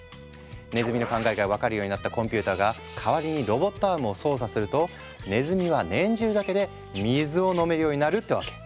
ねずみの考えが分かるようになったコンピューターが代わりにロボットアームを操作するとねずみは念じるだけで水を飲めるようになるってわけ。